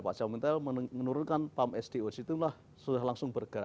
pak jamintel menurunkan pam sdo situlah sudah langsung bergerak